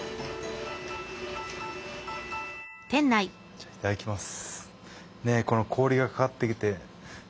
じゃいただきます。